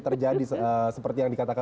terjadi seperti yang dikatakan